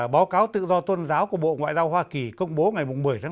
báo cáo tự do tôn giáo của bộ ngoại giao hoa kỳ công bố ngày bốn tháng năm